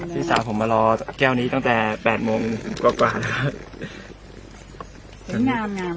พี่สาวผมมารอแก้วนี้ตั้งแต่๘โมงกว่าแล้ว